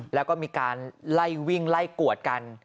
แล้วก็มีการไล่วิ่งไล่กวดกัน